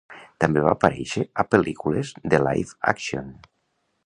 També va aparèixer a pel·lícules de live-action.